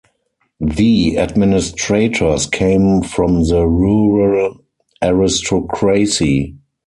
The administrators came from the rural aristocracy.